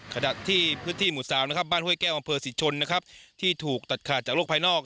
ขณะที่พื้นที่หมู่๓บ้านห้วยแก้วอำเภอสิทธิ์ชนที่ถูกตัดขาดจากโรคภายนอก